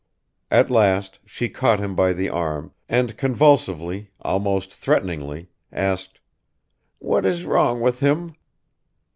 At last she caught him by the arm, and convulsively, almost threateningly, asked, "What is wrong with him?"